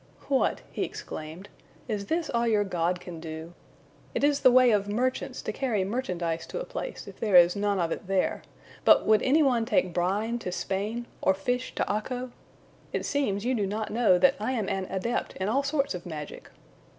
"What," he exclaimed, "is this all your God can do? It is the way of merchants to carry merchandise to a place if there is none of it there, but would anyone take brine to Spain or fish to Accho? It seems you do not know that I am an adept in all sorts of magic!"